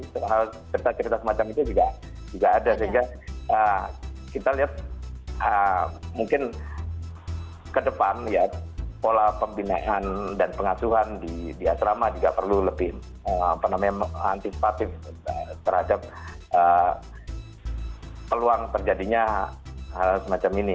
cerita cerita semacam itu juga ada sehingga kita lihat mungkin ke depan ya pola pembinaan dan pengasuhan di asrama juga perlu lebih antisipatif terhadap peluang terjadinya semacam ini